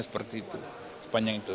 seperti itu sepanjang itu